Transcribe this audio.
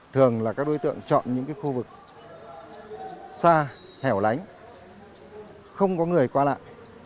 thường là các đối tượng chọn những khu vực xa hẻo lánh không có người qua lại